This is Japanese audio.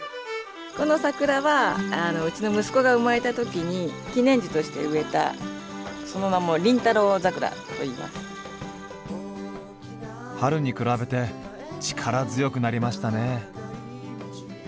この桜はうちの息子が生まれたときに記念樹として植えたその名も春に比べて力強くなりましたね。